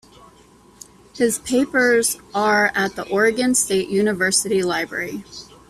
His papers are at the Oregon State University Library.